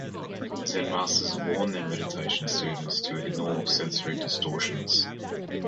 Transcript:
Zen masters warn their meditating students to ignore sensory distortions.